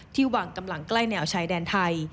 วางกำลังใกล้แนวชายแดนไทย